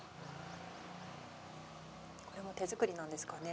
これも手作りなんですかね。